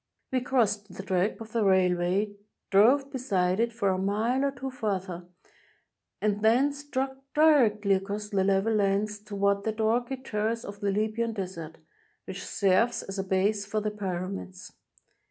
We crossed the track of the railway, drove beside it for a mile or two farther, and then struck directly across the level lands toward that rocky terrace of the Libyan Desert, which serves as a base for the Pyramids.